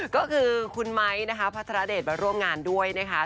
ก็คือคุณไม้นะคะพัทรเดชมาร่วมงานด้วยนะคะ